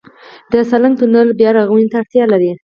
د سالنګ تونل بیارغونې ته اړتیا لري؟